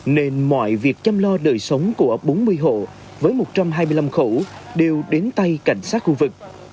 nên mọi việc chăm lo đời sống của bốn mươi hộ với một trăm hai mươi năm khẩu đều đến tay cảnh sát khu vực